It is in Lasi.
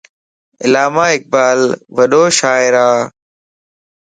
علاما اقبال وڏو شاعر ا